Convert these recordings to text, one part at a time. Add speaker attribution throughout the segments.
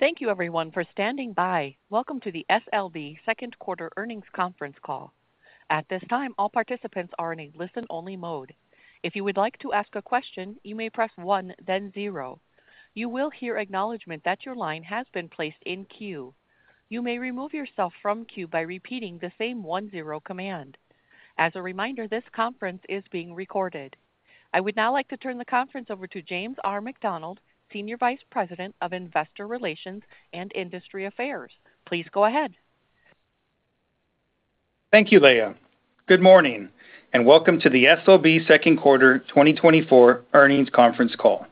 Speaker 1: Thank you, everyone, for standing by. Welcome to the SLB Second Quarter Earnings Conference Call. At this time, all participants are in a listen-only mode. If you would like to ask a question, you may press one, then zero. You will hear acknowledgment that your line has been placed in queue. You may remove yourself from queue by repeating the same one, zero command. As a reminder, this conference is being recorded. I would now like to turn the conference over to James R. McDonald, Senior Vice President of Investor Relations and Industry Affairs. Please go ahead.
Speaker 2: Thank you, Leah. Good morning and welcome to the SLB Second Quarter 2024 Earnings Conference Call.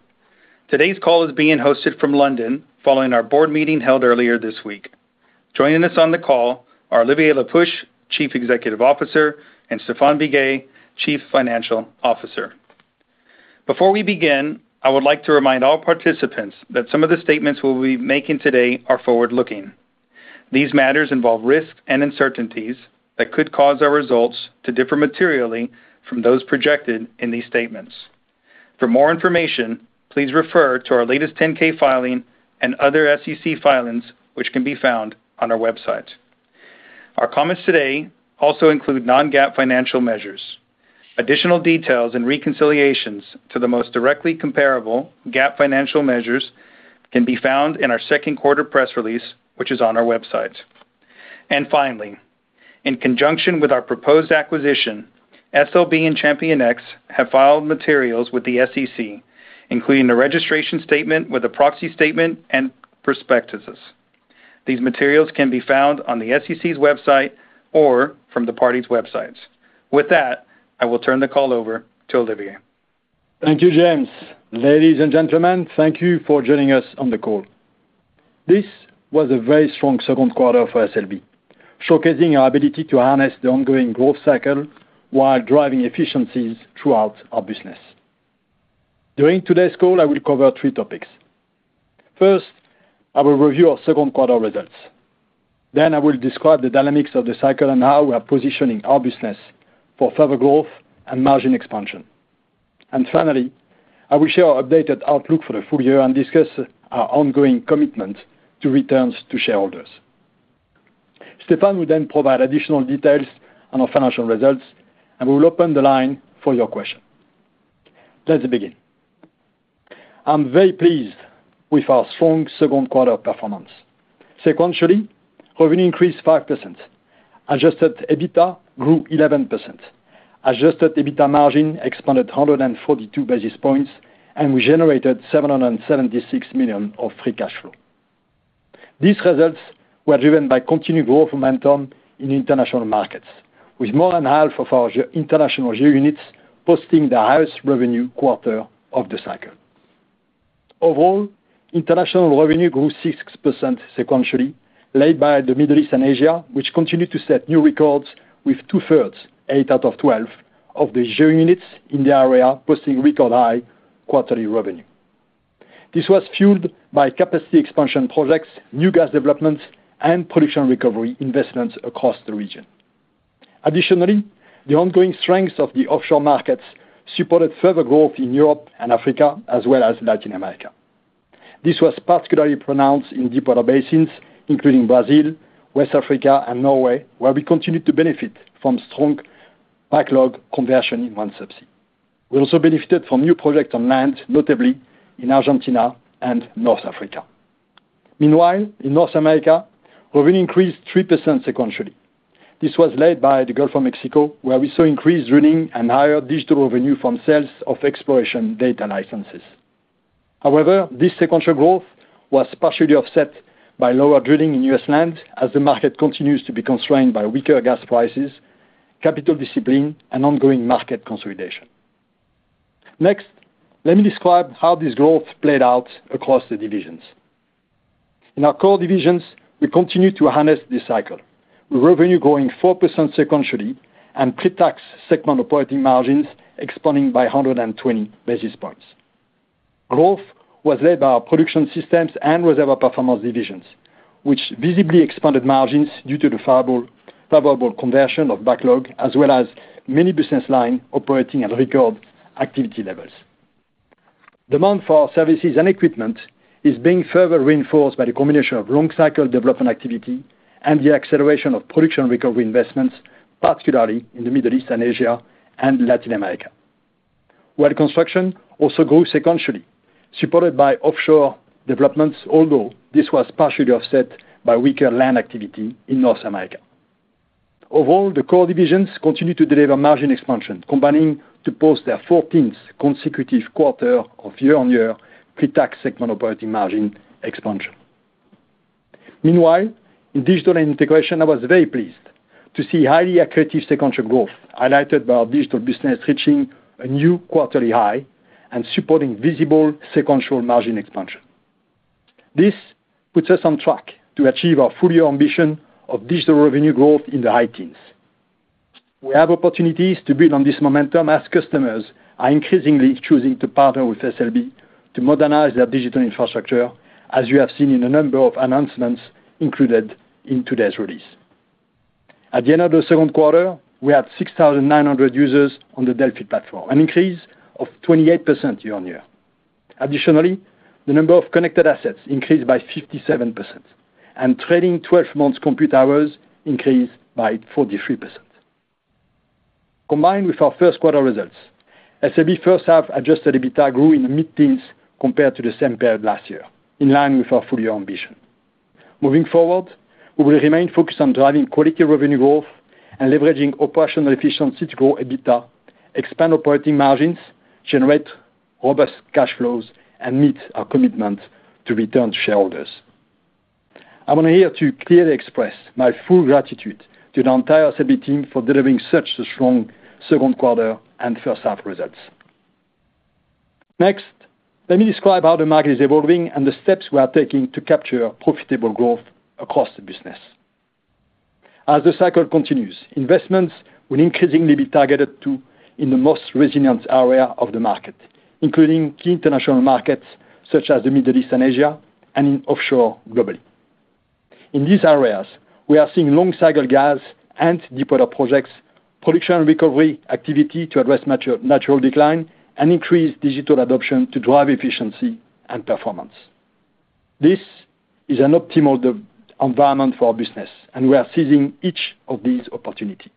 Speaker 2: Today's call is being hosted from London following our board meeting held earlier this week. Joining us on the call are Olivier Le Peuch, Chief Executive Officer, and Stéphane Biguet, Chief Financial Officer. Before we begin, I would like to remind all participants that some of the statements we will be making today are forward-looking. These matters involve risks and uncertainties that could cause our results to differ materially from those projected in these statements. For more information, please refer to our latest 10-K filing and other SEC filings, which can be found on our website. Our comments today also include non-GAAP financial measures. Additional details and reconciliations to the most directly comparable GAAP financial measures can be found in our second quarter press release, which is on our website. And finally, in conjunction with our proposed acquisition, SLB and ChampionX have filed materials with the SEC, including a registration statement with a proxy statement and prospectus. These materials can be found on the SEC's website or from the parties' websites. With that, I will turn the call over to Olivier.
Speaker 3: Thank you, James. Ladies and gentlemen, thank you for joining us on the call. This was a very strong second quarter for SLB, showcasing our ability to harness the ongoing growth cycle while driving efficiencies throughout our business. During today's call, I will cover three topics. First, I will review our second quarter results. Then I will describe the dynamics of the cycle and how we are positioning our business for further growth and margin expansion. And finally, I will share our updated outlook for the full year and discuss our ongoing commitment to returns to shareholders. Stéphane will then provide additional details on our financial results, and we will open the line for your question. Let's begin. I'm very pleased with our strong second quarter performance. Sequentially, revenue increased 5%, adjusted EBITDA grew 11%, adjusted EBITDA margin expanded 142 basis points, and we generated $776 million of free cash flow. These results were driven by continued growth momentum in international markets, with more than half of our international GeoUnits posting the highest revenue quarter of the cycle. Overall, international revenue grew 6% sequentially, led by the Middle East and Asia, which continued to set new records with two-thirds, 8 out of 12, of the share units in the area posting record high quarterly revenue. This was fueled by capacity expansion projects, new gas development, and production recovery investments across the region. Additionally, the ongoing strength of the offshore markets supported further growth in Europe and Africa, as well as Latin America. This was particularly pronounced in deepwater basins, including Brazil, West Africa, and Norway, where we continued to benefit from strong backlog conversion in OneSubsea. We also benefited from new projects on land, notably in Argentina and North Africa. Meanwhile, in North America, revenue increased 3% sequentially. This was led by the Gulf of Mexico, where we saw increased drilling and higher digital revenue from sales of exploration data licenses. However, this sequential growth was partially offset by lower drilling in U.S. land, as the market continues to be constrained by weaker gas prices, capital discipline, and ongoing market consolidation. Next, let me describe how this growth played out across the divisions. In our core divisions, we continued to harness this cycle, with revenue growing 4% sequentially and pre-tax segment operating margins expanding by 120 basis points. Growth was led by our Production Systems and Reservoir Performance divisions, which visibly expanded margins due to the favorable conversion of backlog, as well as many business lines operating at record activity levels. Demand for services and equipment is being further reinforced by the combination of long-cycle development activity and the acceleration of production recovery investments, particularly in the Middle East and Asia and Latin America. Well Construction also grew sequentially, supported by offshore developments, although this was partially offset by weaker land activity in North America. Overall, the core divisions continue to deliver margin expansion, combining to post their 14th consecutive quarter of year-on-year pre-tax segment operating margin expansion. Meanwhile, in Digital and Integration, I was very pleased to see highly accurate sequential growth, highlighted by our digital business reaching a new quarterly high and supporting visible sequential margin expansion. This puts us on track to achieve our full-year ambition of digital revenue growth in the high teens. We have opportunities to build on this momentum as customers are increasingly choosing to partner with SLB to modernize their digital infrastructure, as you have seen in a number of announcements included in today's release. At the end of the second quarter, we had 6,900 users on the Delfi platform, an increase of 28% year-on-year. Additionally, the number of connected assets increased by 57%, and trailing 12 months compute hours increased by 43%. Combined with our first quarter results, SLB's first-half Adjusted EBITDA grew in the mid-teens compared to the same period last year, in line with our full-year ambition. Moving forward, we will remain focused on driving quality revenue growth and leveraging operational efficiency to grow EBITDA, expand operating margins, generate robust cash flows, and meet our commitment to return to shareholders. I want to hereby clearly express my full gratitude to the entire SLB team for delivering such a strong second quarter and first-half results. Next, let me describe how the market is evolving and the steps we are taking to capture profitable growth across the business. As the cycle continues, investments will increasingly be targeted to the most resilient area of the market, including key international markets such as the Middle East and Asia, and in offshore globally. In these areas, we are seeing long-cycle gas and deepwater projects, production recovery activity to address natural decline, and increased digital adoption to drive efficiency and performance. This is an optimal environment for our business, and we are seizing each of these opportunities.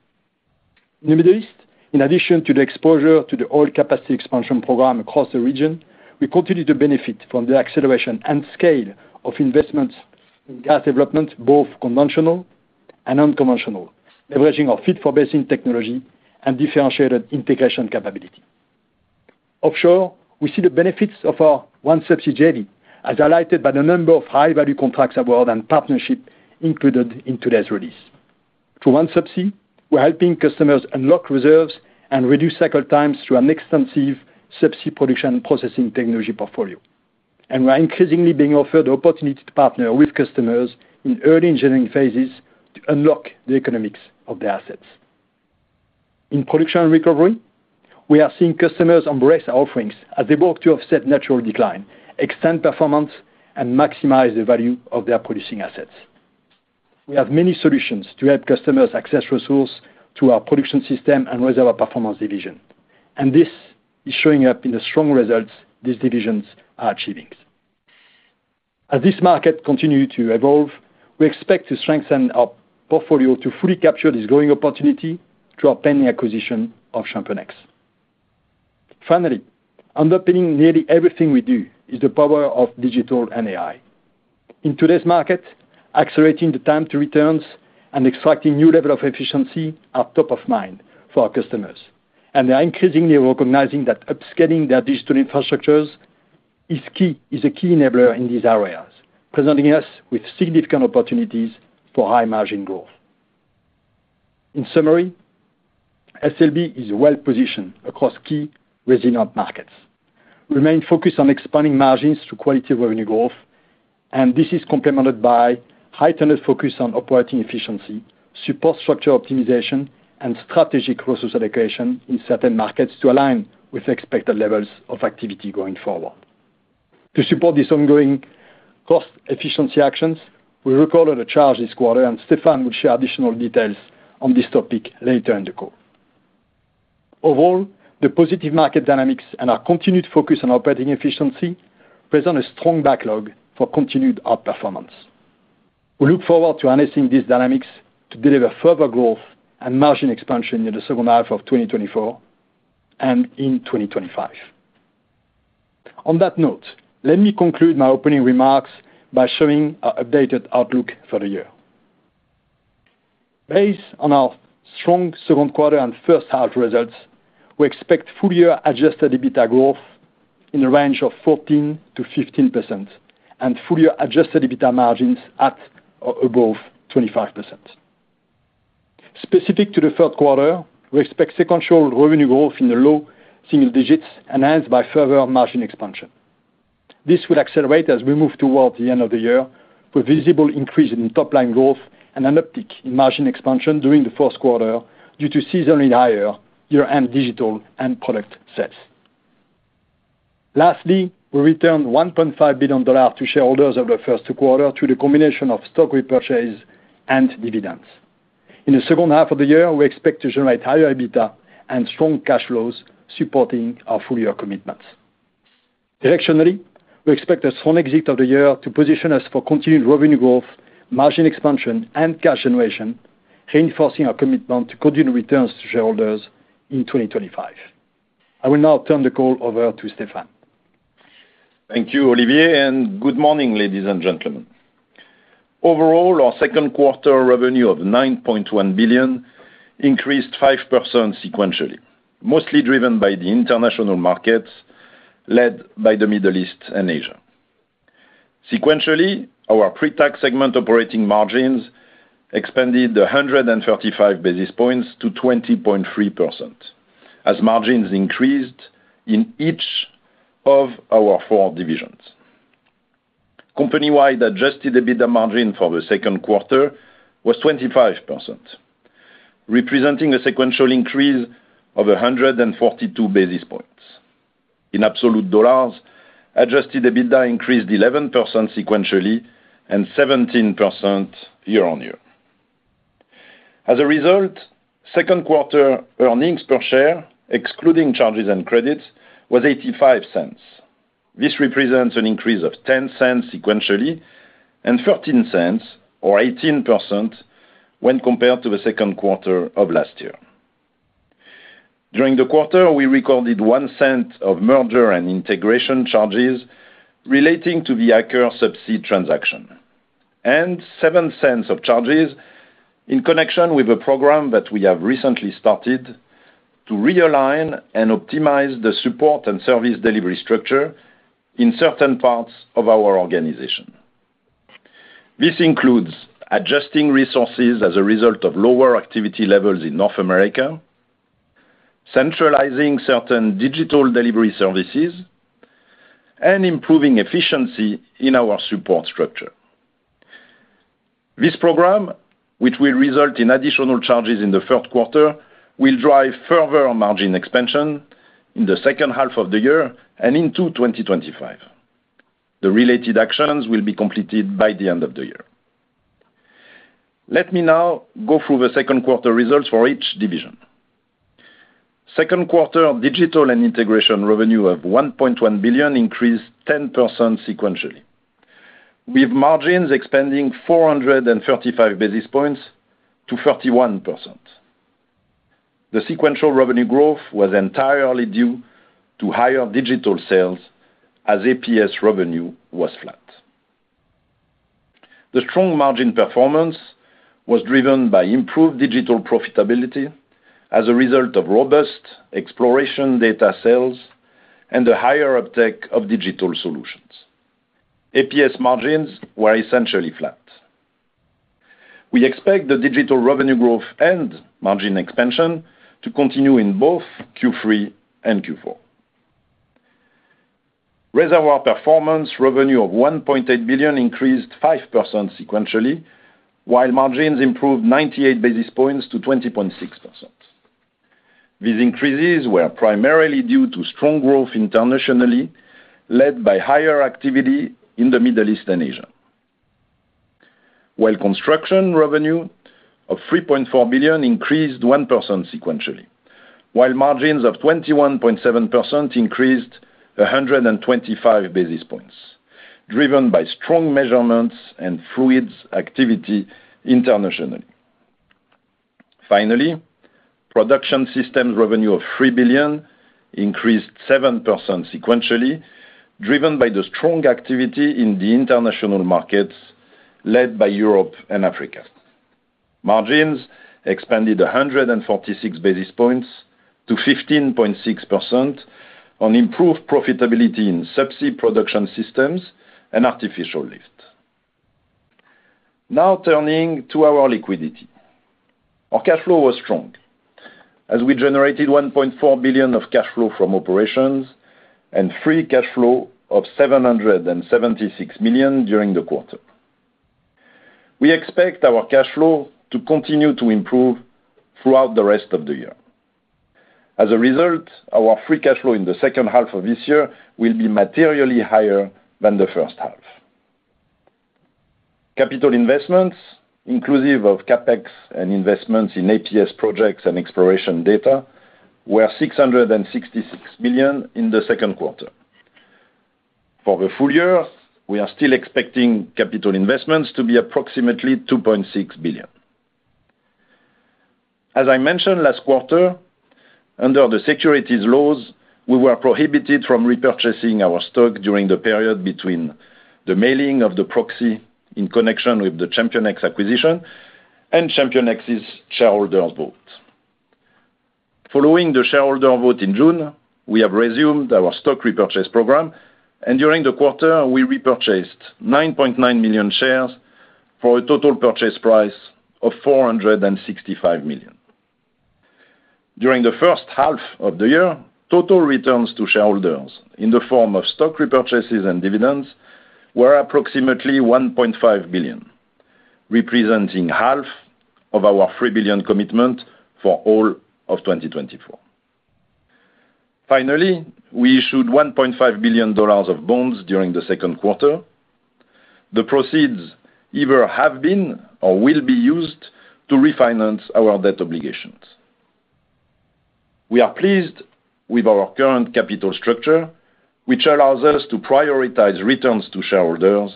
Speaker 3: In the Middle East, in addition to the exposure to the oil capacity expansion program across the region, we continue to benefit from the acceleration and scale of investments in gas development, both conventional and unconventional, leveraging our fit-for-basin technology and differentiated integration capability. Offshore, we see the benefits of our OneSubsea entity as highlighted by the number of high-value contracts awarded and partnerships included in today's release. Through OneSubsea, we're helping customers unlock reserves and reduce cycle times through an extensive subsea production processing technology portfolio. We're increasingly being offered the opportunity to partner with customers in early engineering phases to unlock the economics of their assets. In production recovery, we are seeing customers embrace our offerings as they work to offset natural decline, extend performance, and maximize the value of their producing assets. We have many solutions to help customers access resources through our Production Systems and Reservoir Performance division. This is showing up in the strong results these divisions are achieving. As this market continues to evolve, we expect to strengthen our portfolio to fully capture this growing opportunity through our pending acquisition of ChampionX. Finally, underpinning nearly everything we do is the power of digital and AI. In today's market, accelerating the time to returns and extracting new levels of efficiency are top of mind for our customers. They are increasingly recognizing that upscaling their digital infrastructures is a key enabler in these areas, presenting us with significant opportunities for high margin growth. In summary, SLB is well positioned across key resilient markets. We remain focused on expanding margins through quality revenue growth, and this is complemented by heightened focus on operating efficiency, support structure optimization, and strategic resource allocation in certain markets to align with expected levels of activity going forward. To support these ongoing cost efficiency actions, we recorded a charge this quarter, and Stéphane will share additional details on this topic later in the call. Overall, the positive market dynamics and our continued focus on operating efficiency present a strong backlog for continued our performance. We look forward to harnessing these dynamics to deliver further growth and margin expansion in the second half of 2024 and in 2025. On that note, let me conclude my opening remarks by showing our updated outlook for the year. Based on our strong second quarter and first-half results, we expect full-year adjusted EBITDA growth in the range of 14%-15% and full-year adjusted EBITDA margins at or above 25%. Specific to the third quarter, we expect sequential revenue growth in the low single digits enhanced by further margin expansion. This will accelerate as we move towards the end of the year, with visible increase in top-line growth and an uptick in margin expansion during the first quarter due to seasonally higher year-end digital and product sales. Lastly, we returned $1.5 billion to shareholders in the first quarter through the combination of stock repurchase and dividends. In the second half of the year, we expect to generate higher EBITDA and strong cash flows supporting our full-year commitments. Directionally, we expect a strong exit of the year to position us for continued revenue growth, margin expansion, and cash generation, reinforcing our commitment to continue returns to shareholders in 2025. I will now turn the call over to Stéphane.
Speaker 4: Thank you, Olivier, and good morning, ladies and gentlemen. Overall, our second quarter revenue of $9.1 billion increased 5% sequentially, mostly driven by the international markets led by the Middle East and Asia. Sequentially, our pre-tax segment operating margins expanded 135 basis points to 20.3% as margins increased in each of our four divisions. Company-wide adjusted EBITDA margin for the second quarter was 25%, representing a sequential increase of 142 basis points. In absolute dollars, adjusted EBITDA increased 11% sequentially and 17% year-on-year. As a result, second quarter earnings per share, excluding charges and credits, was $0.85. This represents an increase of $0.10 sequentially and $0.13, or 18%, when compared to the second quarter of last year. During the quarter, we recorded $0.01 of merger and integration charges relating to the Aker Subsea transaction, and $0.07 of charges in connection with a program that we have recently started to realign and optimize the support and service delivery structure in certain parts of our organization. This includes adjusting resources as a result of lower activity levels in North America, centralizing certain digital delivery services, and improving efficiency in our support structure. This program, which will result in additional charges in the third quarter, will drive further margin expansion in the second half of the year and into 2025. The related actions will be completed by the end of the year. Let me now go through the second quarter results for each division. Second quarter Digital and Integration revenue of $1.1 billion increased 10% sequentially, with margins expanding 435 basis points to 31%. The sequential revenue growth was entirely due to higher digital sales as APS revenue was flat. The strong margin performance was driven by improved digital profitability as a result of robust exploration data sales and a higher uptake of digital solutions. APS margins were essentially flat. We expect the digital revenue growth and margin expansion to continue in both Q3 and Q4. Reservoir Performance revenue of $1.8 billion increased 5% sequentially, while margins improved 98 basis points to 20.6%. These increases were primarily due to strong growth internationally led by higher activity in the Middle East and Asia. Well Construction revenue of $3.4 billion increased 1% sequentially, while margins of 21.7% increased 125 basis points, driven by strong measurements and fluid activity internationally. Finally, Production Systems revenue of $3 billion increased 7% sequentially, driven by the strong activity in the international markets led by Europe and Africa. Margins expanded 146 basis points to 15.6% on improved profitability in subsea Production Systems and artificial lift. Now turning to our liquidity. Our cash flow was strong as we generated $1.4 billion of cash flow from operations and free cash flow of $776 million during the quarter. We expect our cash flow to continue to improve throughout the rest of the year. As a result, our free cash flow in the second half of this year will be materially higher than the first half. Capital investments, inclusive of CapEx and investments in APS projects and exploration data, were $666 million in the second quarter. For the full year, we are still expecting capital investments to be approximately $2.6 billion. As I mentioned last quarter, under the securities laws, we were prohibited from repurchasing our stock during the period between the mailing of the proxy in connection with the ChampionX acquisition and ChampionX's shareholders' vote. Following the shareholder vote in June, we have resumed our stock repurchase program, and during the quarter, we repurchased 9.9 million shares for a total purchase price of $465 million. During the first half of the year, total returns to shareholders in the form of stock repurchases and dividends were approximately $1.5 billion, representing half of our $3 billion commitment for all of 2024. Finally, we issued $1.5 billion of bonds during the second quarter. The proceeds either have been or will be used to refinance our debt obligations. We are pleased with our current capital structure, which allows us to prioritize returns to shareholders,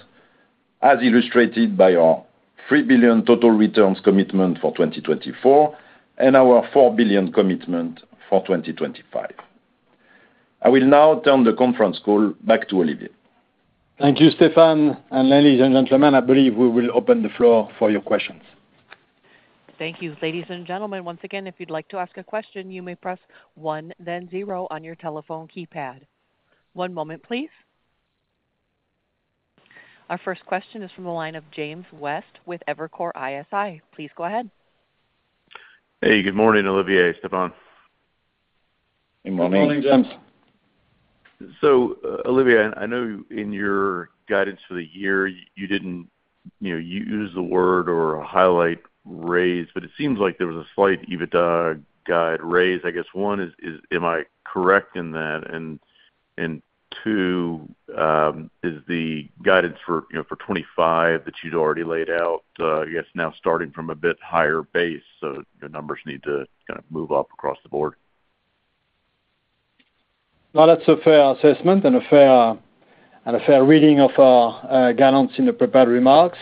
Speaker 4: as illustrated by our $3 billion total returns commitment for 2024 and our $4 billion commitment for 2025. I will now turn the conference call back to Olivier.
Speaker 3: Thank you, Stéphane. Ladies and gentlemen, I believe we will open the floor for your questions.
Speaker 1: Thank you, ladies and gentlemen. Once again, if you'd like to ask a question, you may press 1, then 0 on your telephone keypad. One moment, please. Our first question is from the line of James West with Evercore ISI. Please go ahead.
Speaker 5: Hey, good morning, Olivier, Stéphane.
Speaker 3: Good morning.
Speaker 4: Good morning, James.
Speaker 5: So, Olivier, I know in your guidance for the year, you didn't use the word or highlight raise, but it seems like there was a slight EBITDA guide raise. I guess, one, am I correct in that? And two, is the guidance for 2025 that you'd already laid out, I guess, now starting from a bit higher base? So the numbers need to kind of move up across the board.
Speaker 3: Well, that's a fair assessment and a fair reading of our guidance in the prepared remarks.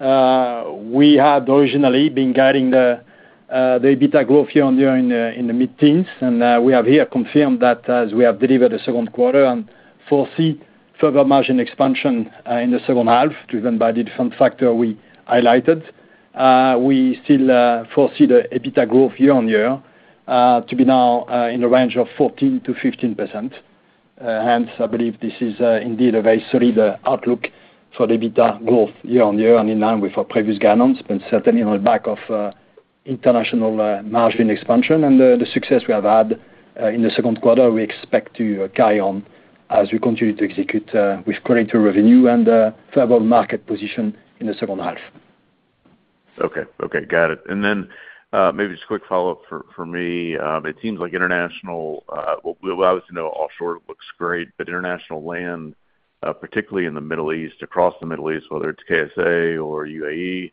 Speaker 3: We had originally been guiding the EBITDA growth year-on-year in the mid-teens, and we have here confirmed that as we have delivered the second quarter and foresee further margin expansion in the second half driven by the different factors we highlighted. We still foresee the EBITDA growth year-on-year to be now in the range of 14%-15%. Hence, I believe this is indeed a very solid outlook for the EBITDA growth year-on-year and in line with our previous guidance, but certainly on the back of international margin expansion and the success we have had in the second quarter, we expect to carry on as we continue to execute with greater revenue and a further market position in the second half.
Speaker 5: Okay. Got it. And then maybe just a quick follow-up for me. It seems like international, well, obviously, offshore looks great, but international land, particularly in the Middle East, across the Middle East, whether it's KSA or UAE,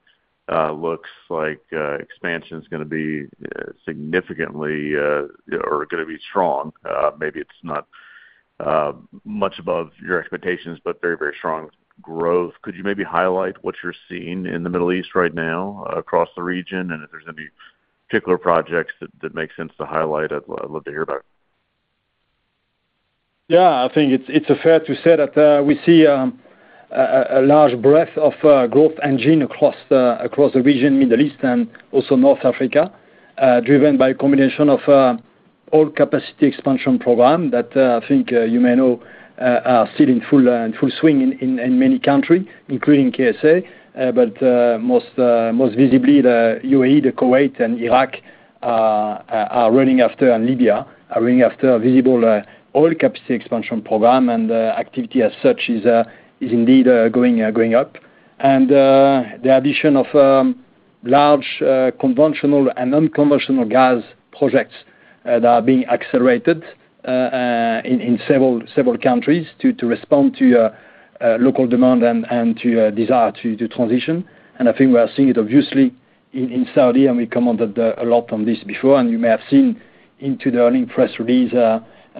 Speaker 5: looks like expansion is going to be significantly or going to be strong. Maybe it's not much above your expectations, but very, very strong growth. Could you maybe highlight what you're seeing in the Middle East right now across the region? And if there's any particular projects that make sense to highlight, I'd love to hear about it.
Speaker 3: Yeah. I think it's fair to say that we see a large breadth of growth engine across the region, Middle East, and also North Africa, driven by a combination of all-capacity expansion program that I think you may know are still in full swing in many countries, including KSA, but most visibly, the UAE, the Kuwait, and Iraq are running after, and Libya are running after a visible oil capacity expansion program, and activity as such is indeed going up. And the addition of large conventional and unconventional gas projects that are being accelerated in several countries to respond to local demand and to desire to transition. I think we are seeing it obviously in Saudi, and we commented a lot on this before, and you may have seen in the earnings press release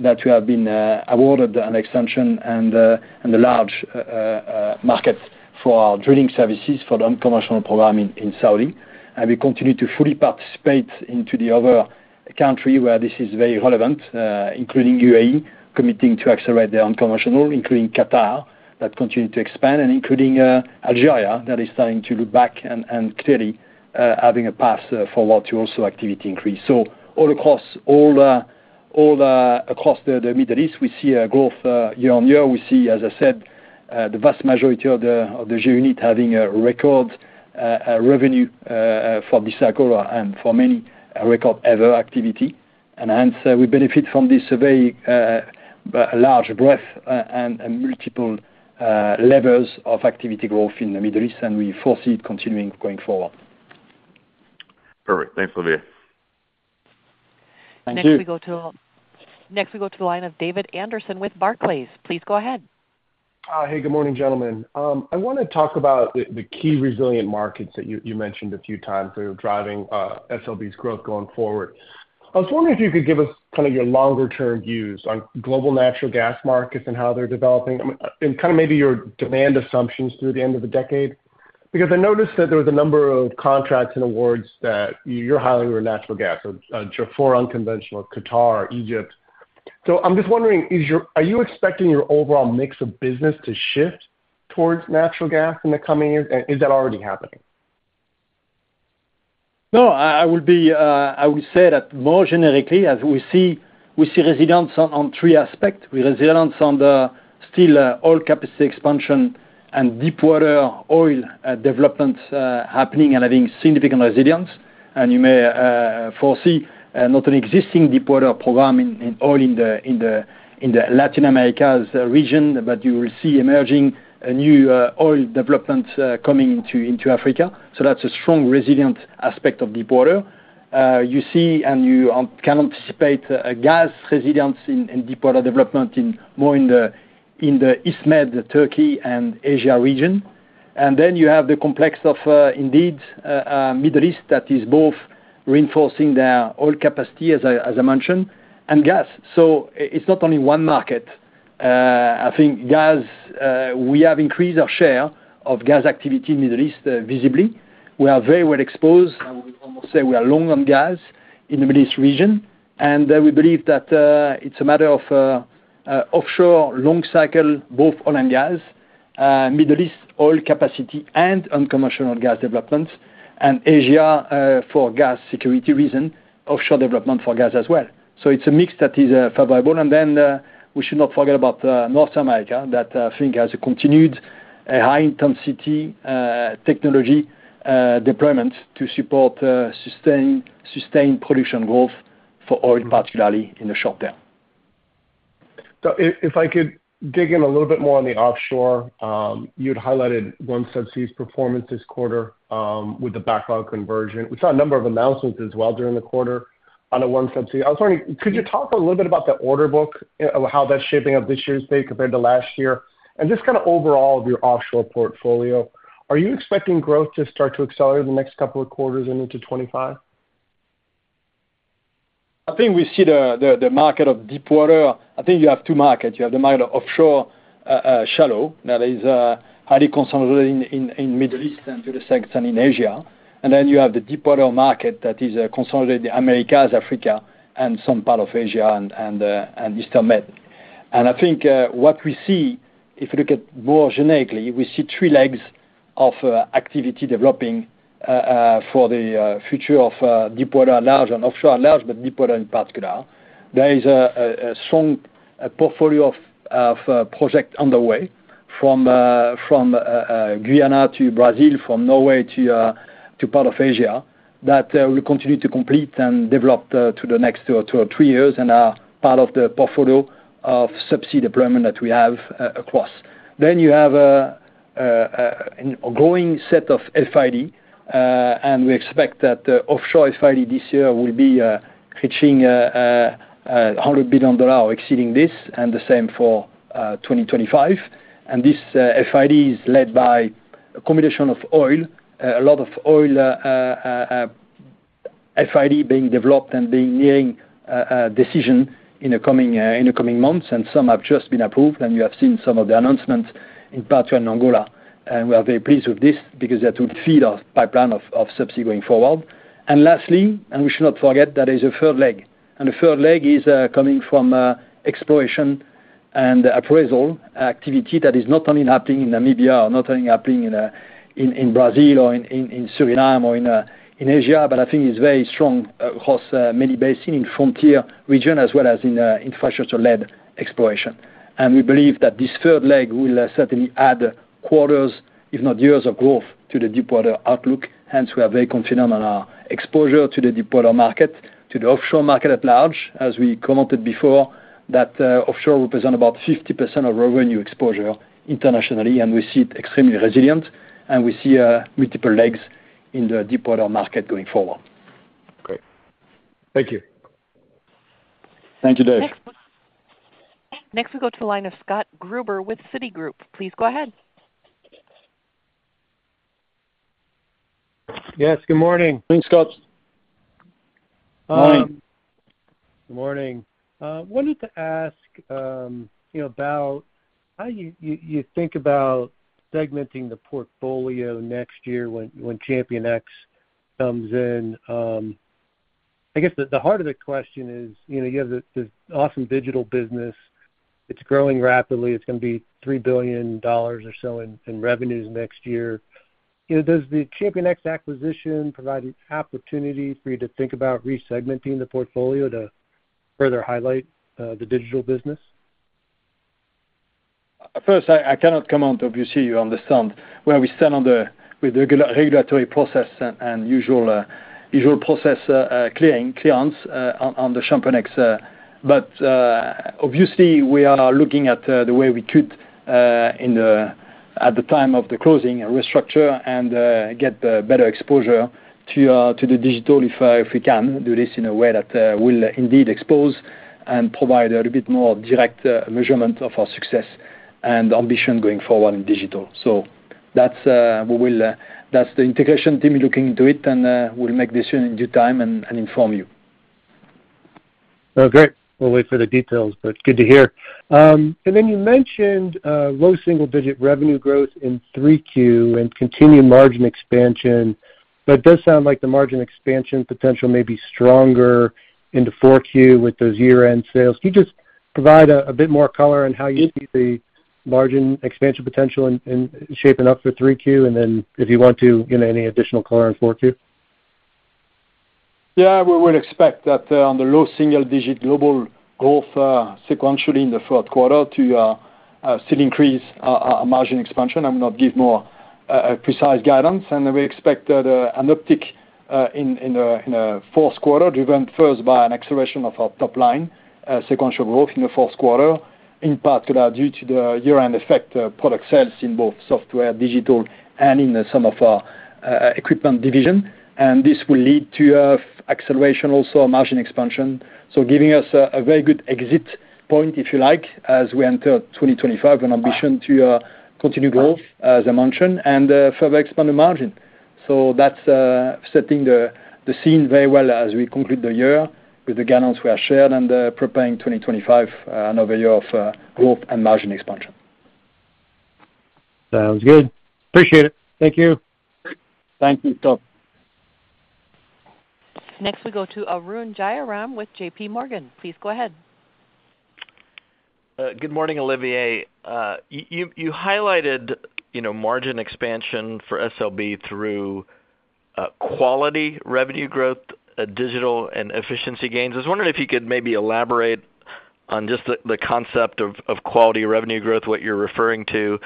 Speaker 3: that we have been awarded an extension and a large market for our drilling services for the unconventional program in Saudi. We continue to fully participate into the other countries where this is very relevant, including UAE, committing to accelerate their unconventional, including Qatar that continues to expand, and including Algeria that is starting to look back and clearly having a path forward to also activity increase. All across the Middle East, we see a growth year-on-year. We see, as I said, the vast majority of the GeoUnit having a record revenue for this cycle and for many a record ever activity. Hence, we benefit from this very large breadth and multiple levels of activity growth in the Middle East, and we foresee it continuing going forward.
Speaker 5: Perfect. Thanks, Olivier.
Speaker 1: Next, we go to the line of David Anderson with Barclays. Please go ahead.
Speaker 6: Hey, good morning, gentlemen. I want to talk about the key resilient markets that you mentioned a few times that are driving SLB's growth going forward. I was wondering if you could give us kind of your longer-term views on global natural gas markets and how they're developing and kind of maybe your demand assumptions through the end of the decade. Because I noticed that there was a number of contracts and awards that you're highlighting were natural gas, so Jafurah, unconventional, Qatar, Egypt. So I'm just wondering, are you expecting your overall mix of business to shift towards natural gas in the coming years? Is that already happening?
Speaker 4: No, I would say that more generically, as we see resilience on three aspects. We have resilience on still oil capacity expansion and deepwater oil developments happening and having significant resilience. And you may foresee not an existing deepwater program in oil in the Latin America region, but you will see emerging new oil developments coming into Africa. So that's a strong resilient aspect of deepwater. You see and you can anticipate gas resilience in deepwater development more in the East Med, Turkey, and Asia region. And then you have the complex of indeed Middle East that is both reinforcing their oil capacity, as I mentioned, and gas. So it's not only one market. I think gas, we have increased our share of gas activity in the Middle East visibly. We are very well exposed. I would almost say we are long on gas in the Middle East region. And we believe that it's a matter of offshore long cycle, both oil and gas, Middle East oil capacity and unconventional gas developments, and Asia for gas security reason, offshore development for gas as well. So it's a mix that is favorable. And then we should not forget about North America that I think has a continued high-intensity technology deployment to support sustained production growth for oil, particularly in the short term.
Speaker 6: So if I could dig in a little bit more on the offshore, you had highlighted OneSubsea's performance this quarter with the backlog conversion. We saw a number of announcements as well during the quarter on OneSubsea. I was wondering, could you talk a little bit about the order book, how that's shaping up this year to date compared to last year? And just kind of overall of your offshore portfolio, are you expecting growth to start to accelerate in the next couple of quarters and into 2025?
Speaker 4: I think we see the market of deep water. I think you have two markets. You have the market of offshore shallow that is highly concentrated in the Middle East and to the sectors in Asia. And then you have the deep water market that is concentrated in the Americas, Africa, and some part of Asia and Eastern Med. And I think what we see, if you look at more generically, we see three legs of activity developing for the future of deep water large and offshore large, but deep water in particular. There is a strong portfolio of projects underway from Guyana to Brazil, from Norway to part of Asia that will continue to complete and develop to the next two or three years and are part of the portfolio of subsea deployment that we have across. Then you have a growing set of FID, and we expect that offshore FID this year will be reaching $100 billion or exceeding this, and the same for 2025. This FID is led by a combination of oil, a lot of oil FID being developed and being nearing decision in the coming months, and some have just been approved. You have seen some of the announcements in Namibia and Angola. We are very pleased with this because that will feed our pipeline of subsea going forward. Lastly, and we should not forget, that is a third leg. The third leg is coming from exploration and appraisal activity that is not only happening in Namibia or not only happening in Brazil or in Suriname or in Asia, but I think is very strong across many basins in frontier region as well as in infrastructure-led exploration. We believe that this third leg will certainly add quarters, if not years, of growth to the deep water outlook. Hence, we are very confident on our exposure to the deep water market, to the offshore market at large. As we commented before, that offshore represents about 50% of revenue exposure internationally, and we see it extremely resilient, and we see multiple legs in the deep water market going forward.
Speaker 6: Great. Thank you.
Speaker 4: Thank you, Dave.
Speaker 1: Next, we go to the line of Scott Gruber with Citigroup. Please go ahead.
Speaker 7: Yes, good morning.
Speaker 3: Morning, Scott.
Speaker 4: Morning.
Speaker 7: Good morning. Wanted to ask about how you think about segmenting the portfolio next year when ChampionX comes in. I guess the heart of the question is you have this awesome digital business. It's growing rapidly. It's going to be $3 billion or so in revenues next year. Does the ChampionX acquisition provide an opportunity for you to think about resegmenting the portfolio to further highlight the digital business?
Speaker 4: First, I cannot comment. Obviously, you understand where we stand with the regulatory process and usual process clearance on the ChampionX. But obviously, we are looking at the way we could, at the time of the closing, restructure and get better exposure to the digital if we can do this in a way that will indeed expose and provide a little bit more direct measurement of our success and ambition going forward in digital. So that's the integration team looking into it, and we'll make decisions in due time and inform you.
Speaker 7: Great. We'll wait for the details, but good to hear. And then you mentioned low single-digit revenue growth in Q3 and continued margin expansion, but it does sound like the margin expansion potential may be stronger into Q4 with those year-end sales. Can you just provide a bit more color on how you see the margin expansion potential shaping up for Q3? And then if you want to, any additional color on Q4?
Speaker 4: Yeah. We would expect that on the low single-digit global growth sequentially in the third quarter to still increase our margin expansion. I will not give more precise guidance. We expect an uptick in the fourth quarter driven first by an acceleration of our top-line sequential growth in the fourth quarter, in particular due to the year-end effect product sales in both software, digital, and in some of our equipment division. And this will lead to acceleration also of margin expansion, so giving us a very good exit point, if you like, as we enter 2025 with an ambition to continue growth, as I mentioned, and further expand the margin. That's setting the scene very well as we conclude the year with the guidance we have shared and preparing 2025, another year of growth and margin expansion.
Speaker 7: Sounds good. Appreciate it. Thank you.
Speaker 4: Thank you, Scott.
Speaker 1: Next, we go to Arun Jayaram with J.P. Morgan. Please go ahead.
Speaker 8: Good morning, Olivier. You highlighted margin expansion for SLB through quality revenue growth, digital and efficiency gains. I was wondering if you could maybe elaborate on just the concept of quality revenue growth, what you're referring to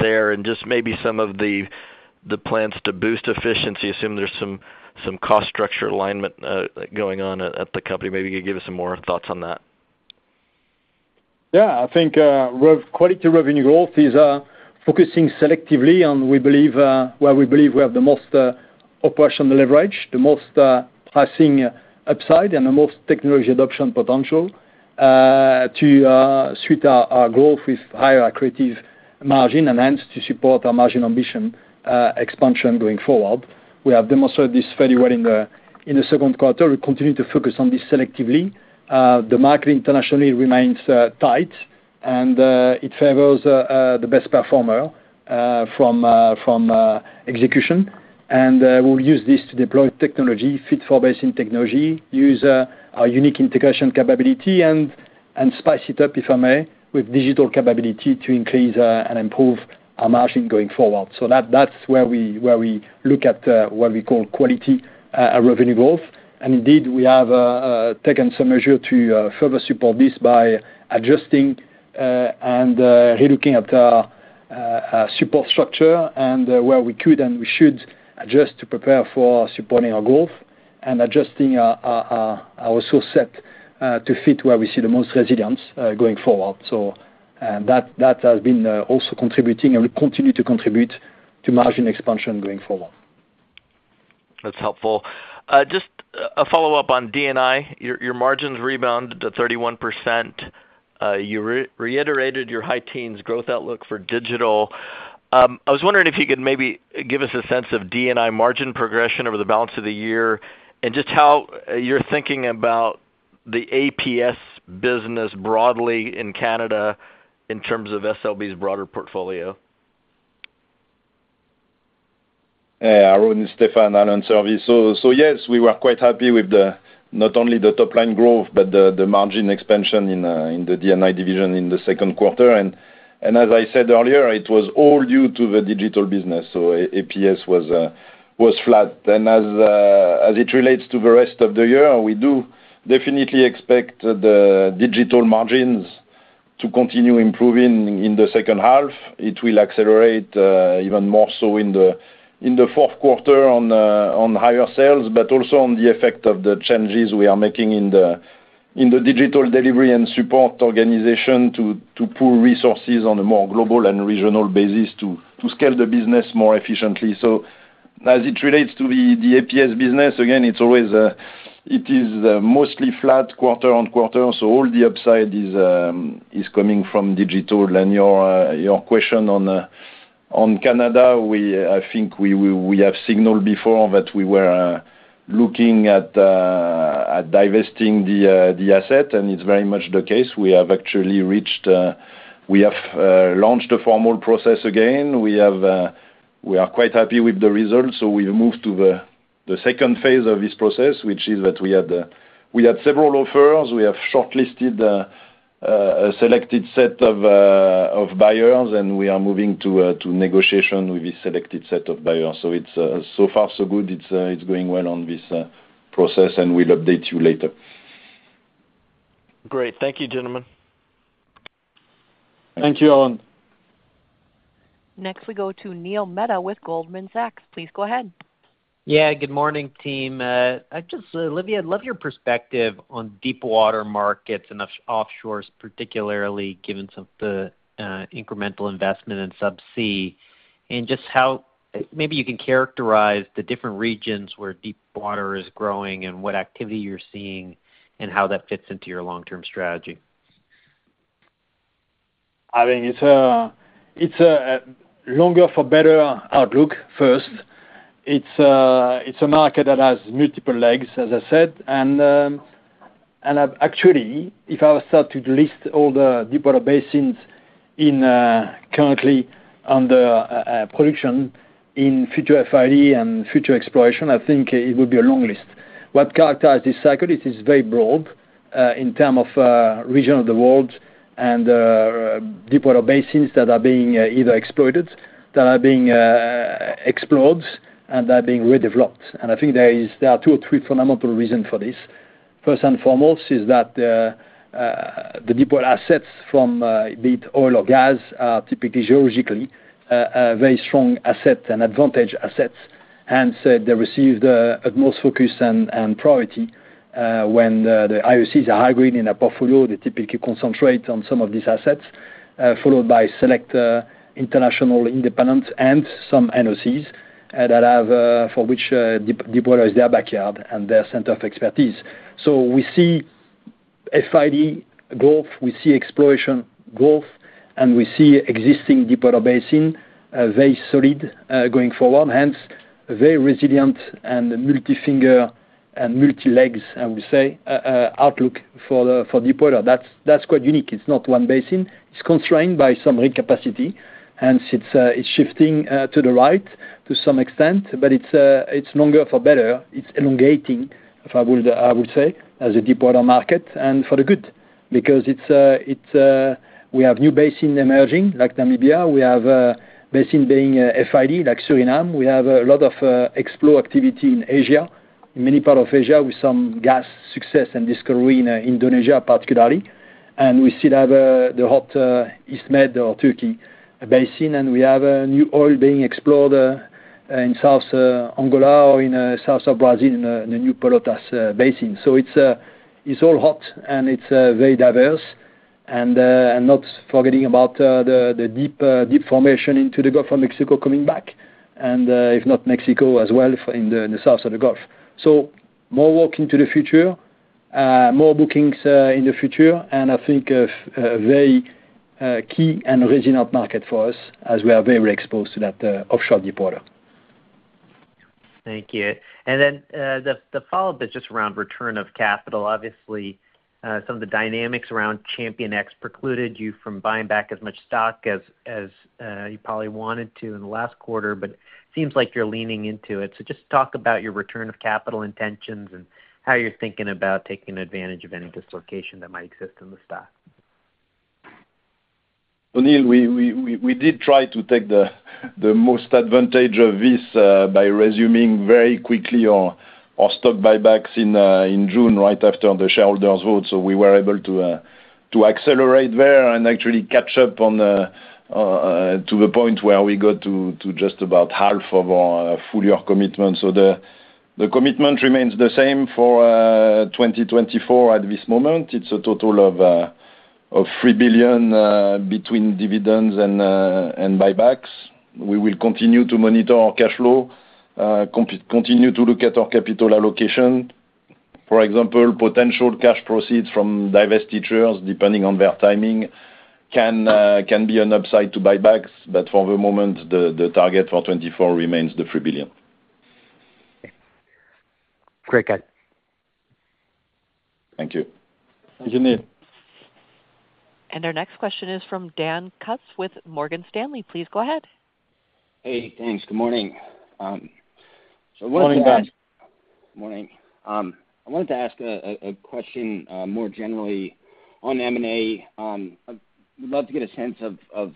Speaker 8: there, and just maybe some of the plans to boost efficiency, assuming there's some cost structure alignment going on at the company. Maybe you could give us some more thoughts on that?
Speaker 3: Yeah. I think quality revenue growth is focusing selectively on where we believe we have the most operational leverage, the most pricing upside, and the most technology adoption potential to suit our growth with higher creative margin and hence to support our margin ambition expansion going forward. We have demonstrated this fairly well in the second quarter. We continue to focus on this selectively. The market internationally remains tight, and it favors the best performer from execution. And we'll use this to deploy technology, fit for basin technology, use our unique integration capability, and spice it up, if I may, with digital capability to increase and improve our margin going forward. So that's where we look at what we call quality revenue growth. Indeed, we have taken some measures to further support this by adjusting and relooking at our support structure and where we could and we should adjust to prepare for supporting our growth and adjusting our resource set to fit where we see the most resilience going forward. That has been also contributing and will continue to contribute to margin expansion going forward.
Speaker 8: That's helpful. Just a follow-up on D&I. Your margins rebounded to 31%. You reiterated your high teens growth outlook for digital. I was wondering if you could maybe give us a sense of D&I margin progression over the balance of the year and just how you're thinking about the APS business broadly in Canada in terms of SLB's broader portfolio.
Speaker 4: Yeah. Arun it's Stéphane, and I'm sorry. Yes, we were quite happy with not only the top-line growth, but the margin expansion in the D&I division in the second quarter. And as I said earlier, it was all due to the digital business. APS was flat. And as it relates to the rest of the year, we do definitely expect the digital margins to continue improving in the second half. It will accelerate even more so in the fourth quarter on higher sales, but also on the effect of the changes we are making in the digital delivery and support organization to pull resources on a more global and regional basis to scale the business more efficiently. As it relates to the APS business, again, it is mostly flat quarter on quarter. All the upside is coming from digital. Your question on Canada, I think we have signaled before that we were looking at divesting the asset, and it's very much the case. We have actually launched a formal process again. We are quite happy with the results. So we've moved to the second phase of this process, which is that we had several offers. We have shortlisted a selected set of buyers, and we are moving to negotiation with this selected set of buyers. So far, so good. It's going well on this process, and we'll update you later.
Speaker 8: Great. Thank you, gentlemen.
Speaker 4: Thank you, Arun.
Speaker 1: Next, we go to Neil Mehta with Goldman Sachs. Please go ahead.
Speaker 9: Yeah. Good morning, team. Olivier, I'd love your perspective on deep water markets and offshores, particularly given some of the incremental investment in subsea and just how maybe you can characterize the different regions where deep water is growing and what activity you're seeing and how that fits into your long-term strategy.
Speaker 3: I think it's a longer-for-better outlook first. It's a market that has multiple legs, as I said. Actually, if I start to list all the deepwater basins currently under production in future FID and future exploration, I think it would be a long list. What characterizes this cycle is it's very broad in terms of region of the world and deepwater basins that are being either exploited, that are being explored, and they're being redeveloped. And I think there are two or three fundamental reasons for this. First and foremost is that the deepwater assets, be it oil or gas, are typically geologically very strong assets and advantage assets. Hence, they receive the most focus and priority when the IOCs are hybrid in a portfolio. They typically concentrate on some of these assets, followed by select international independents and some NOCs for which deepwater is their backyard and their center of expertise. So we see FID growth, we see exploration growth, and we see existing deepwater basin very solid going forward, hence a very resilient and multi-finger and multi-legs, I would say, outlook for deepwater. That's quite unique. It's not one basin. It's constrained by some recapacity. Hence, it's shifting to the right to some extent, but it's longer for better. It's elongating, if I would say, as a deepwater market and for the good because we have new basin emerging, like Namibia. We have a basin being FID, like Suriname. We have a lot of exploration activity in Asia, in many parts of Asia, with some gas success and discovery in Indonesia, particularly. And we still have the hot East Med or Turkey Basin, and we have new oil being explored in southern Angola or in the south of Brazil in the new Pelotas Basin. So it's all hot, and it's very diverse. And not forgetting about the deep formation into the Gulf of Mexico coming back, and if not, Mexico as well in the south of the Gulf. So more looking to the future, more bookings in the future, and I think a very key and resilient market for us as we are very exposed to that offshore deepwater.
Speaker 9: Thank you. And then the follow-up is just around return of capital. Obviously, some of the dynamics around ChampionX precluded you from buying back as much stock as you probably wanted to in the last quarter, but it seems like you're leaning into it. So just talk about your return of capital intentions and how you're thinking about taking advantage of any dislocation that might exist in the stock.
Speaker 2: Well, Neil, we did try to take the most advantage of this by resuming very quickly our stock buybacks in June right after the shareholders' vote. So we were able to accelerate there and actually catch up to the point where we got to just about half of our full year commitment. So the commitment remains the same for 2024 at this moment. It's a total of $3 billion between dividends and buybacks. We will continue to monitor our cash flow, continue to look at our capital allocation. For example, potential cash proceeds from divestitures, depending on their timing, can be an upside to buybacks. But for the moment, the target for 2024 remains the $3 billion.
Speaker 9: Great.
Speaker 2: Thank you.
Speaker 3: Thank you, Neil.
Speaker 1: Our next question is from Dan Kutz with Morgan Stanley. Please go ahead.
Speaker 10: Hey, thanks. Good morning.
Speaker 4: Good morning, Dan.
Speaker 10: Good morning. I wanted to ask a question more generally on M&A. I would love to get a sense of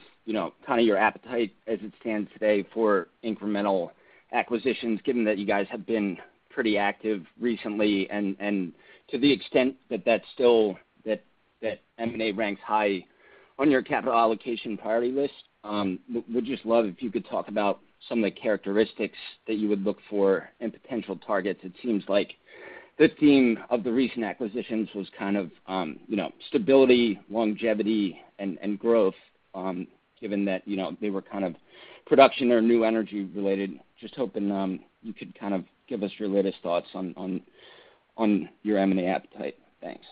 Speaker 10: kind of your appetite as it stands today for incremental acquisitions, given that you guys have been pretty active recently and to the extent that M&A ranks high on your capital allocation priority list. We'd just love if you could talk about some of the characteristics that you would look for and potential targets. It seems like the theme of the recent acquisitions was kind of stability, longevity, and growth, given that they were kind of production or new energy related. Just hoping you could kind of give us your latest thoughts on your M&A appetite. Thanks.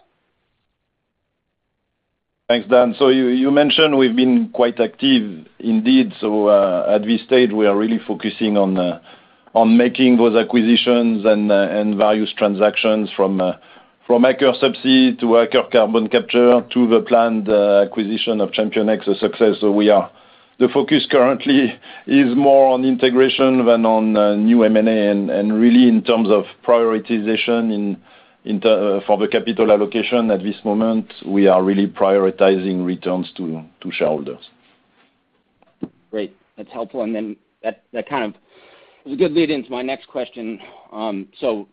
Speaker 2: Thanks, Dan. So you mentioned we've been quite active indeed. So at this stage, we are really focusing on making those acquisitions and various transactions from Aker Subsea to Aker Carbon Capture to the planned acquisition of ChampionX a success. So the focus currently is more on integration than on new M&A and really in terms of prioritization for the capital allocation. At this moment, we are really prioritizing returns to shareholders.
Speaker 10: Great. That's helpful. And then that kind of is a good lead into my next question. So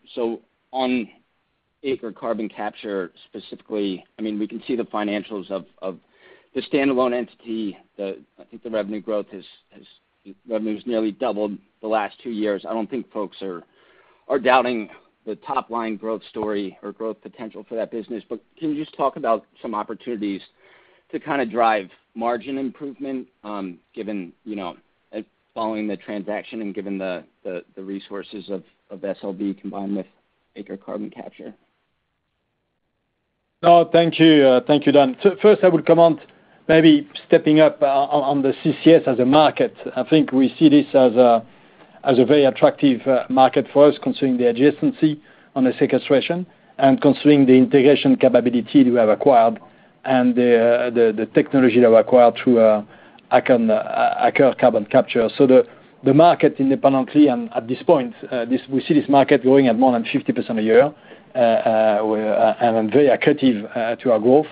Speaker 10: on Aker Carbon Capture specifically, I mean, we can see the financials of the standalone entity. I think the revenue growth has revenues nearly doubled the last two years. I don't think folks are doubting the top-line growth story or growth potential for that business. But can you just talk about some opportunities to kind of drive margin improvement following the transaction and given the resources of SLB combined with Aker Carbon Capture?
Speaker 3: No, thank you. Thank you, Dan. First, I would comment maybe stepping up on the CCS as a market. I think we see this as a very attractive market for us considering the adjacency on the sequestration and considering the integration capability we have acquired and the technology that we acquired through Aker Carbon Capture. So the market independently, and at this point, we see this market growing at more than 50% a year and very accretive to our growth.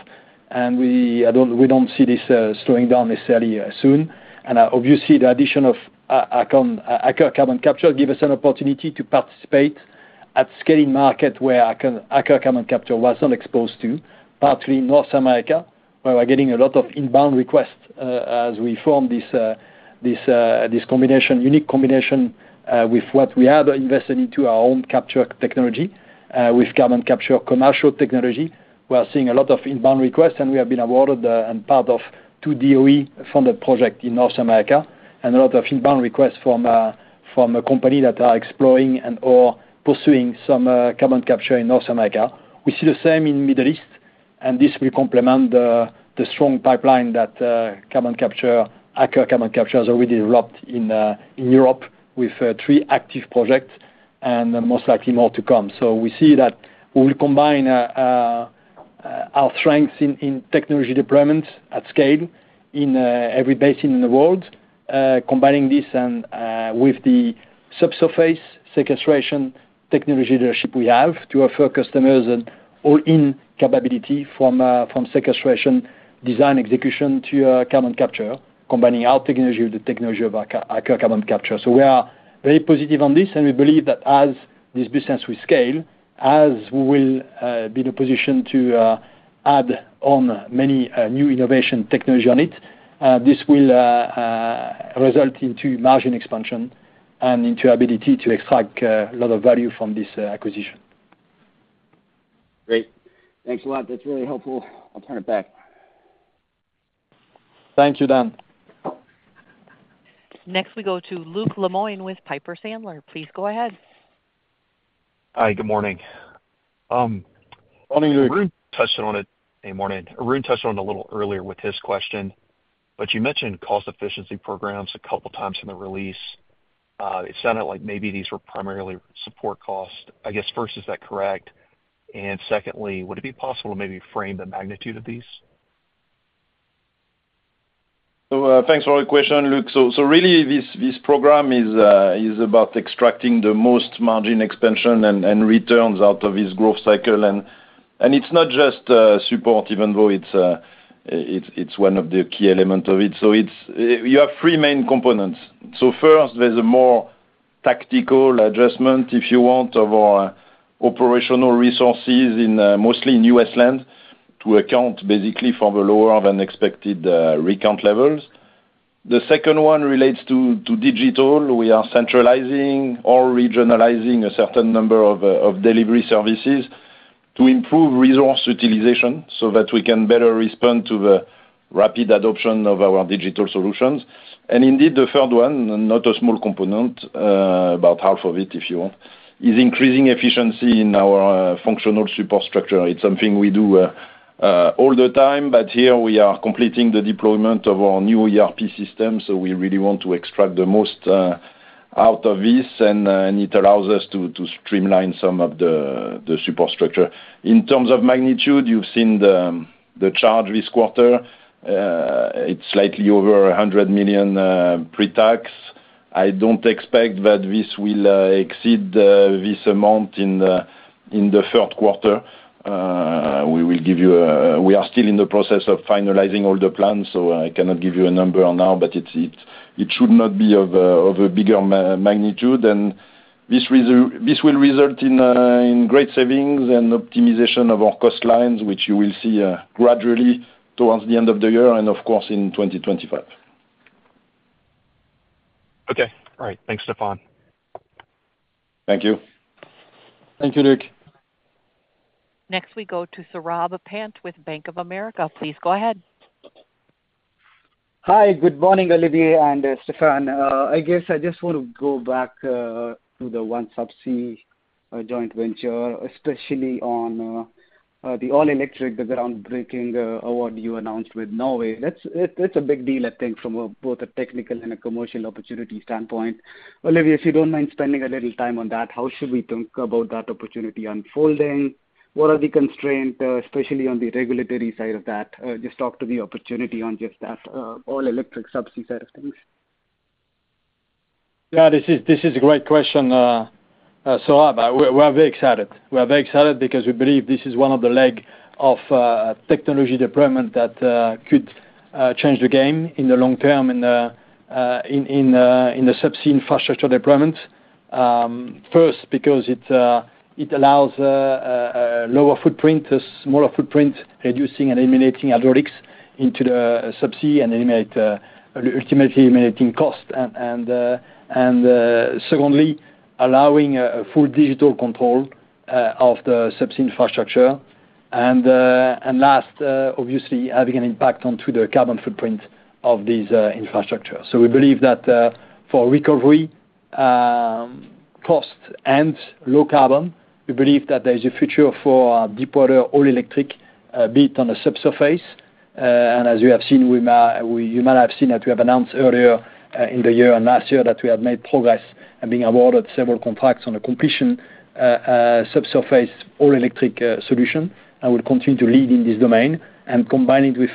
Speaker 3: And we don't see this slowing down necessarily soon. And obviously, the addition of Aker Carbon Capture gives us an opportunity to participate at scaling market where Aker Carbon Capture was not exposed to, partly North America, where we're getting a lot of inbound requests as we form this unique combination with what we have invested into our own capture technology with carbon capture commercial technology. We are seeing a lot of inbound requests, and we have been awarded and part of two DOE-funded projects in North America and a lot of inbound requests from a company that are exploring and/or pursuing some carbon capture in North America. We see the same in the Middle East, and this will complement the strong pipeline that Aker Carbon Capture has already developed in Europe with three active projects and most likely more to come. So we see that we will combine our strengths in technology deployments at scale in every basin in the world, combining this with the subsurface sequestration technology leadership we have to offer customers an all-in capability from sequestration design execution to carbon capture, combining our technology with the technology of Aker Carbon Capture. So we are very positive on this, and we believe that as this business will scale, as we will be in a position to add on many new innovative technology on it, this will result in margin expansion and the ability to extract a lot of value from this acquisition.
Speaker 10: Great. Thanks a lot. That's really helpful. I'll turn it back.
Speaker 4: Thank you, Dan.
Speaker 1: Next, we go to Luke Lemoine with Piper Sandler. Please go ahead.
Speaker 11: Hi, good morning. Good morning, Olivier. Touched on it. Hey, morning. Arun touched on it a little earlier with his question, but you mentioned cost efficiency programs a couple of times in the release. It sounded like maybe these were primarily support costs. I guess, first, is that correct? And secondly, would it be possible to maybe frame the magnitude of these?
Speaker 4: Thanks for the question, Luke. Really, this program is about extracting the most margin expansion and returns out of this growth cycle. It's not just support, even though it's one of the key elements of it. You have three main components. First, there's a more tactical adjustment, if you want, of our operational resources, mostly in U.S. land, to account basically for the lower than expected rig count levels. The second one relates to digital. We are centralizing or regionalizing a certain number of delivery services to improve resource utilization so that we can better respond to the rapid adoption of our digital solutions. Indeed, the third one, not a small component, about half of it, if you want, is increasing efficiency in our functional support structure. It's something we do all the time, but here we are completing the deployment of our new ERP system. So we really want to extract the most out of this, and it allows us to streamline some of the support structure. In terms of magnitude, you've seen the charge this quarter. It's slightly over $100 million pre-tax. I don't expect that this will exceed this amount in the third quarter. We will give you. We are still in the process of finalizing all the plans, so I cannot give you a number now, but it should not be of a bigger magnitude. And this will result in great savings and optimization of our cost lines, which you will see gradually towards the end of the year and, of course, in 2025.
Speaker 11: Okay. All right. Thanks, Stéphane.
Speaker 2: Thank you.
Speaker 4: Thank you, Luke.
Speaker 1: Next, we go to Saurabh Pant with Bank of America. Please go ahead.
Speaker 12: Hi, good morning, Olivier and Stéphane. I guess I just want to go back to the OneSubsea joint venture, especially on the all-electric, the groundbreaking award you announced with Norway. It's a big deal, I think, from both a technical and a commercial opportunity standpoint. Olivier, if you don't mind spending a little time on that, how should we think about that opportunity unfolding? What are the constraints, especially on the regulatory side of that? Just talk to the opportunity on just that all-electric subsea side of things.
Speaker 3: Yeah, this is a great question, Saurabh. We are very excited. We are very excited because we believe this is one of the legs of technology deployment that could change the game in the long term in the subsea infrastructure deployments. First, because it allows a lower footprint, a smaller footprint, reducing and eliminating hydraulics into the subsea and ultimately eliminating cost. And secondly, allowing full digital control of the subsea infrastructure. And last, obviously, having an impact onto the carbon footprint of this infrastructure. So we believe that for recovery cost and low carbon, we believe that there is a future for deepwater all-electric, be it on the subsea. And as you have seen, you might have seen that we have announced earlier in the year and last year that we have made progress and been awarded several contracts on the completion subsea all-electric solution. We'll continue to lead in this domain and combine it with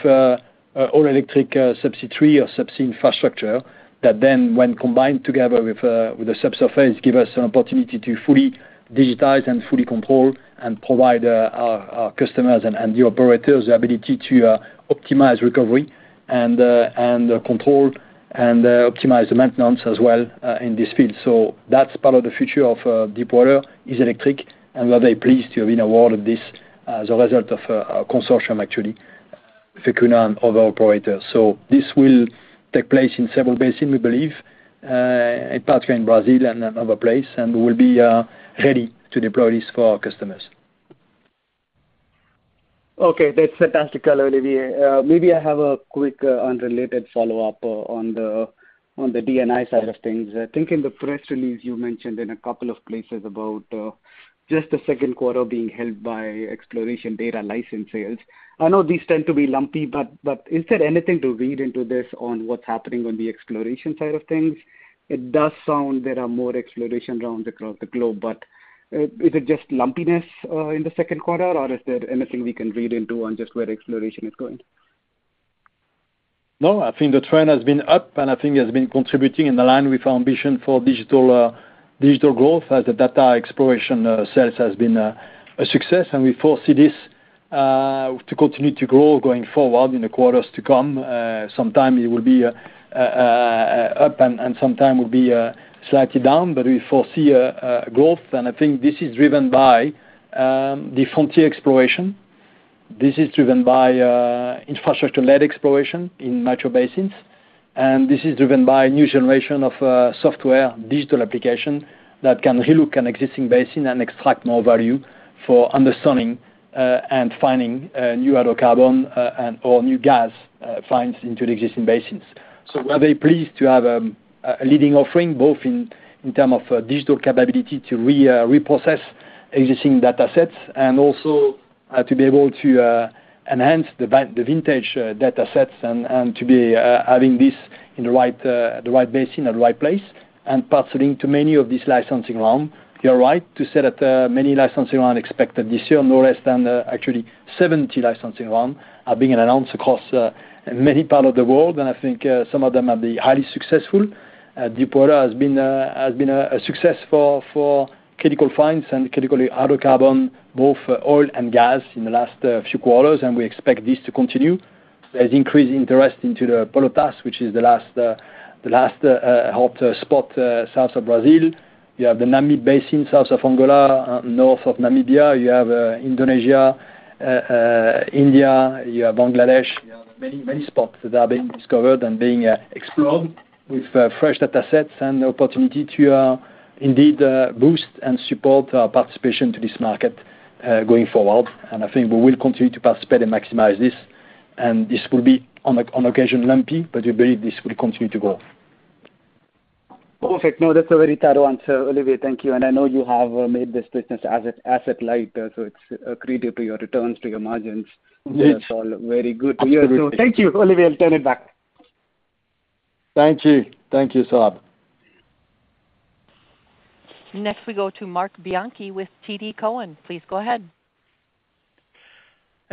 Speaker 3: all-electric subsea tree or subsea infrastructure that then, when combined together with the subsurface, gives us an opportunity to fully digitize and fully control and provide our customers and the operators the ability to optimize recovery and control and optimize the maintenance as well in this field. So that's part of the future of deepwater is electric. And we are very pleased to have been awarded this as a result of a consortium, actually, Equinor and other operators. So this will take place in several basins, we believe, in parts in Brazil and another place, and we will be ready to deploy this for our customers.
Speaker 12: Okay. That's fantastic, Olivier. Maybe I have a quick unrelated follow-up on the D&I side of things. I think in the press release, you mentioned in a couple of places about just the second quarter being held by exploration data license sales. I know these tend to be lumpy, but is there anything to read into this on what's happening on the exploration side of things? It does sound there are more exploration rounds across the globe, but is it just lumpiness in the second quarter, or is there anything we can read into on just where exploration is going?
Speaker 3: No, I think the trend has been up, and I think it has been contributing in line with our ambition for digital growth as the data exploration sales has been a success. And we foresee this to continue to grow going forward in the quarters to come. Sometimes it will be up, and sometimes it will be slightly down, but we foresee growth. And I think this is driven by the frontier exploration. This is driven by infrastructure-led exploration in major basins. And this is driven by a new generation of software, digital application that can relook an existing basin and extract more value for understanding and finding new hydrocarbon and/or new gas finds into the existing basins. So we are very pleased to have a leading offering both in terms of digital capability to reprocess existing data sets and also to be able to enhance the vintage data sets and to be having this in the right basin at the right place and participating in many of these licensing rounds. You're right to say that many licensing rounds expected this year, no less than actually 70 licensing rounds are being announced across many parts of the world. And I think some of them are highly successful. Deepwater has been a success for critical finds and critical hydrocarbon, both oil and gas in the last few quarters, and we expect this to continue. There's increased interest in the Pelotas Basin, which is the latest hot spot south of Brazil. You have the Namib Basin south of Angola, north of Namibia. You have Indonesia, India, you have Bangladesh. You have many spots that are being discovered and being explored with fresh data sets and the opportunity to indeed boost and support our participation to this market going forward. I think we will continue to participate and maximize this. This will be on occasion lumpy, but we believe this will continue to grow.
Speaker 12: Perfect. No, that's a very thorough answer, Olivier. Thank you. I know you have made this business asset-light, so it's accredited to your returns, to your margins. That's all very good. Thank you, Olivier. I'll turn it back.
Speaker 3: Thank you, Saurabh.
Speaker 1: Next, we go to Marc Bianchi with TD Cowen. Please go ahead.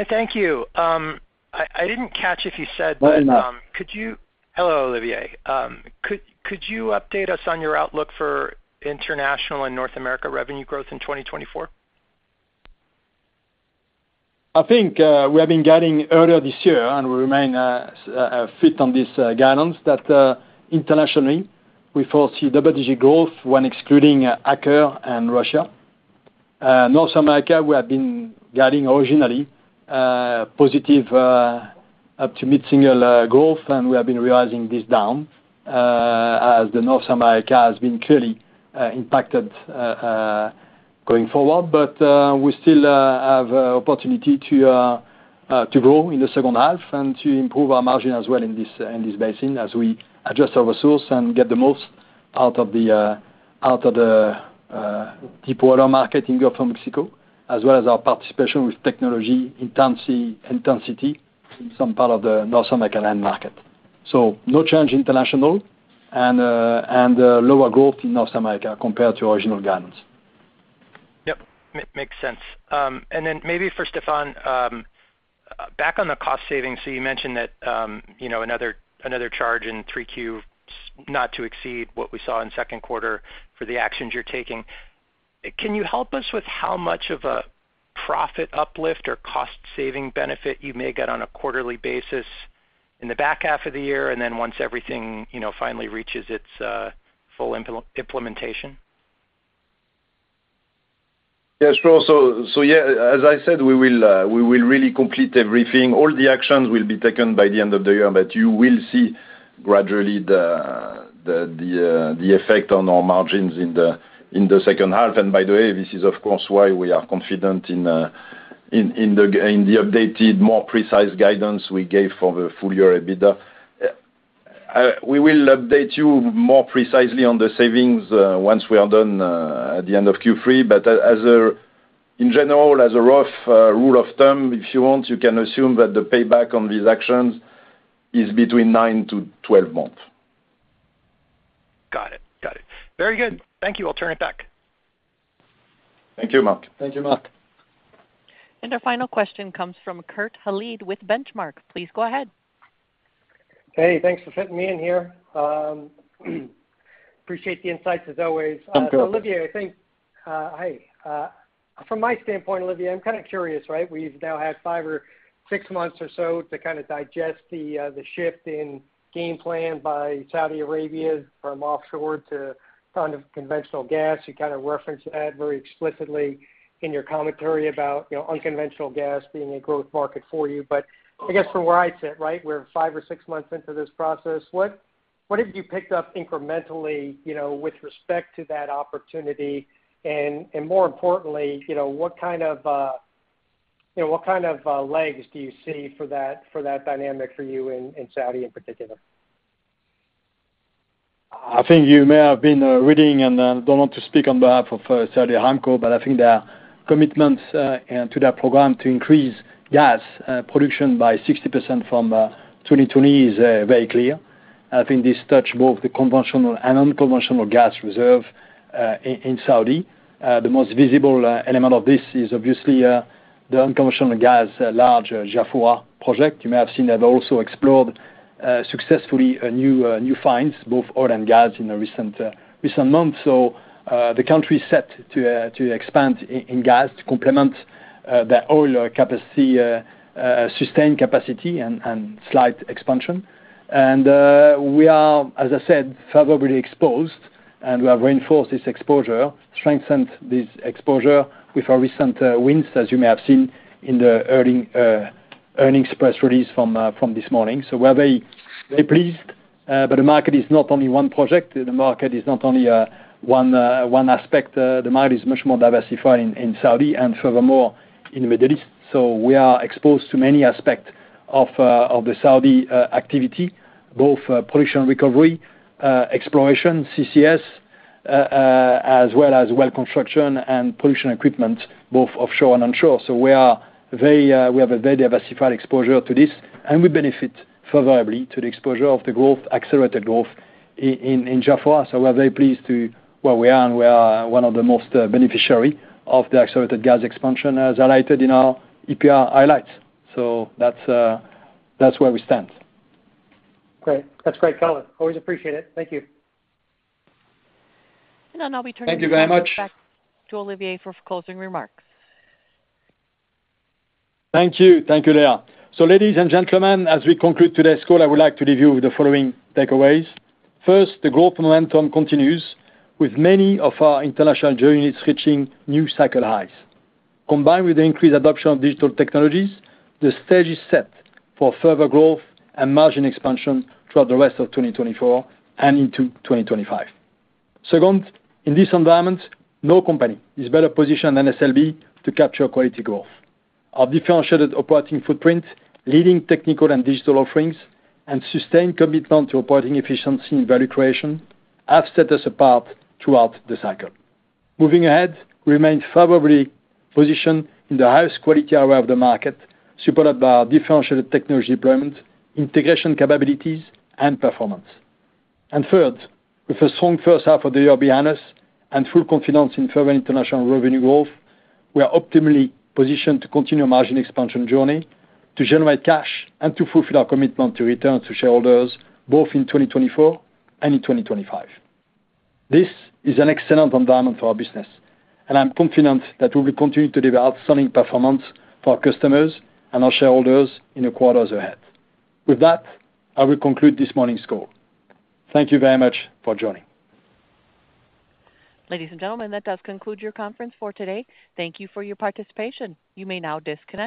Speaker 13: Thank you. I didn't catch if you said? Hello, Olivier. Could you update us on your outlook for international and North America revenue growth in 2024?
Speaker 3: I think we have been guiding earlier this year, and we remain fit on this guidance that internationally, we foresee double-digit growth when excluding Aker and Russia. North America, we have been guiding originally positive up to mid-single growth, and we have been realizing this down as North America has been clearly impacted going forward. But we still have an opportunity to grow in the second half and to improve our margin as well in this basin as we adjust our resource and get the most out of the deepwater market in Gulf of Mexico, as well as our participation with technology intensity in some part of the North American land market. So no change international and lower growth in North America compared to original guidance.
Speaker 13: Yep. Makes sense. And then maybe for Stéphane, back on the cost savings, so you mentioned that another charge in Q3 is not to exceed what we saw in second quarter for the actions you're taking. Can you help us with how much of a profit uplift or cost-saving benefit you may get on a quarterly basis in the back half of the year and then once everything finally reaches its full implementation?
Speaker 4: Yes. So yeah, as I said, we will really complete everything. All the actions will be taken by the end of the year, but you will see gradually the effect on our margins in the second half. And by the way, this is, of course, why we are confident in the updated, more precise guidance we gave for the full year EBITDA. We will update you more precisely on the savings once we are done at the end of Q3. But in general, as a rough rule of thumb, if you want, you can assume that the payback on these actions is between 9-12 months.
Speaker 13: Got it. Very good. Thank you. I'll turn it back.
Speaker 3: Thank you, Marc.
Speaker 4: Thank you, Marc.
Speaker 1: Our final question comes from Kurt Hallead with Benchmark. Please go ahead.
Speaker 14: Hey, thanks for fitting me in here. Appreciate the insights as always. Olivier, I think hey. From my standpoint, Olivier, I'm kind of curious, right? We've now had five or six months or so to kind of digest the shift in game plan by Saudi Arabia from offshore to conventional gas. You kind of referenced that very explicitly in your commentary about unconventional gas being a growth market for you. But I guess from where I sit, right, we're five or six months into this process. What have you picked up incrementally with respect to that opportunity? And more importantly, what kind of legs do you see for that dynamic for you in Saudi in particular?
Speaker 3: I think you may have been reading and I don't want to speak on behalf of Saudi Aramco, but I think their commitments to their program to increase gas production by 60% from 2020 is very clear. I think this touches both the conventional and unconventional gas reserve in Saudi. The most visible element of this is obviously the unconventional gas large Jafurah project. You may have seen that they also explored successfully new finds, both oil and gas in the recent months. So the country is set to expand in gas to complement their oil sustained capacity and slight expansion. And we are, as I said, favorably exposed, and we have reinforced this exposure, strengthened this exposure with our recent wins, as you may have seen in the earnings press release from this morning. So we are very pleased, but the market is not only one project. The market is not only one aspect. The market is much more diversified in Saudi and furthermore in the Middle East. So we are exposed to many aspects of the Saudi activity, both production recovery, exploration, CCS, as well as well construction and production equipment, both offshore and onshore. So we have a very diversified exposure to this, and we benefit favorably to the exposure of the growth, accelerated growth in Jafurah. So we are very pleased to where we are, and we are one of the most beneficiaries of the accelerated gas expansion as highlighted in our EPR highlights. So that's where we stand.
Speaker 14: Great. That's great, color. Always appreciate it. Thank you.
Speaker 1: Now we turn it back.
Speaker 3: Thank you very much.
Speaker 1: Back to Olivier for closing remarks.
Speaker 3: Thank you. Thank you, Leah. Ladies and gentlemen, as we conclude today's call, I would like to leave you with the following takeaways. First, the growth momentum continues with many of our international joint units reaching new cycle highs. Combined with the increased adoption of digital technologies, the stage is set for further growth and margin expansion throughout the rest of 2024 and into 2025. Second, in this environment, no company is better positioned than SLB to capture quality growth. Our differentiated operating footprint, leading technical and digital offerings, and sustained commitment to operating efficiency and value creation have set us apart throughout the cycle. Moving ahead, we remain favorably positioned in the highest quality area of the market, supported by our differentiated technology deployment, integration capabilities, and performance. Third, with a strong first half of the year behind us and full confidence in further international revenue growth, we are optimally positioned to continue our margin expansion journey to generate cash and to fulfill our commitment to return to shareholders both in 2024 and in 2025. This is an excellent environment for our business, and I'm confident that we will continue to deliver outstanding performance for our customers and our shareholders in the quarters ahead. With that, I will conclude this morning's call. Thank you very much for joining.
Speaker 1: Ladies and gentlemen, that does conclude your conference for today. Thank you for your participation. You may now disconnect.